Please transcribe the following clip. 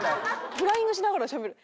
フライングしながらしゃべる。